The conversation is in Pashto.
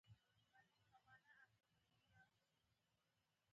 مشهوره وینا ده: ګوړه ګوړه یاده وه خوله به دې خوږه وي.